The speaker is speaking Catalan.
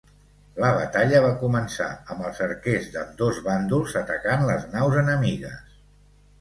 La batalla va començar amb els arquers d'ambdós bàndols atacant les naus enemigues.